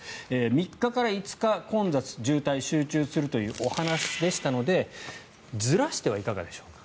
３日から５日、混雑、渋滞が集中するというお話でしたのでずらしてはいかがでしょうか。